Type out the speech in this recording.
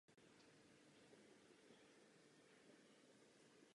Cílem této integrace je zlepšení kvality softwaru.